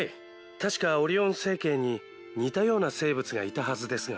確かオリオン星系に似たような生物がいたはずですが。